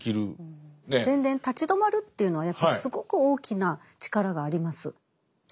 立ち止まるというのはやっぱすごく大きな力があります。